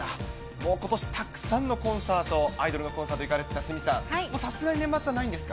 もうことし、たくさんのコンサート、アイドルのコンサート行かれてた鷲見さん、さすがに年末はないんですか。